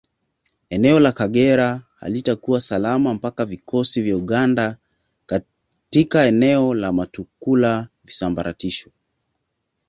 Eneo la Kagera halitakuwa salama mpaka vikosi vya Uganda katika eneo la Mutukula visambaratishwe